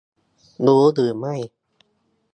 รู้หรือไม่ !